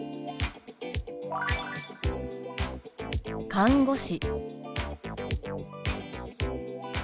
「看護師」。